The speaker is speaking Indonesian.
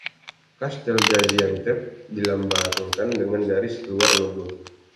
Kastel Gaziantep dilambangkan dengan garis luar logo.